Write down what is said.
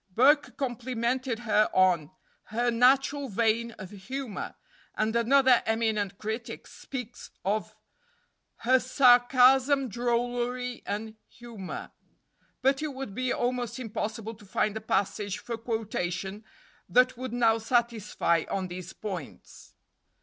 Burke complimented her on "her natural vein of humor," and another eminent critic speaks of "her sarcasm, drollery, and humor;" but it would be almost impossible to find a passage for quotation that would now satisfy on these points.